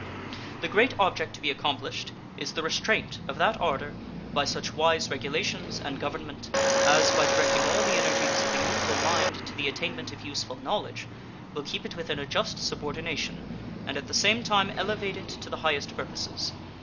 The great object to be accomplished is the restraint of that ardor by such wise regulations and Government as, by directing all the energies of the youthful mind to the attainment of useful knowledge, will keep it within a just subordination and at the same time elevate it to the highest purposes.